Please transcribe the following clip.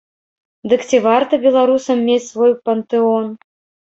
Дык ці варта беларусам мець свой пантэон?